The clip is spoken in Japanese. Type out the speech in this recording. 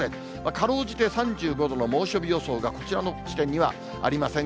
かろうじて３５度の猛暑日予想がこちらの地点にはありません